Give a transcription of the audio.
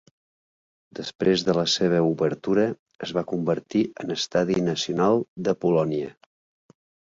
Després de la seva obertura, es va convertir en estadi nacional de Polònia.